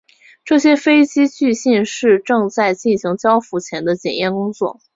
这些飞机据信是正在进行交付前的检验工作。